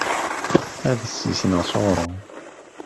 Ad sisneɣ s uɣṛum.